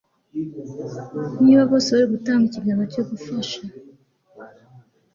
niba bose bari gutanga ikiganza cyo gufasha